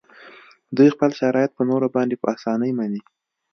دوی خپل شرایط په نورو باندې په اسانۍ مني